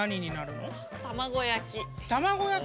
卵焼き？